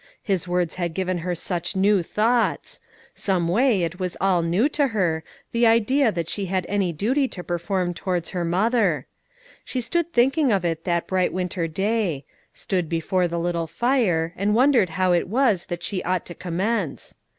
His words had given her such new thoughts; some way it was all new to her, the idea that she had any duty to perform towards her mother. She stood thinking of it that bright winter day, stood before the little fire, and wondered how it was that she ought to commence.